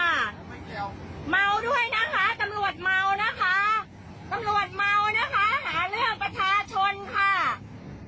ตำรวจเมานะคะหาเรื่องประชาชนค่ะ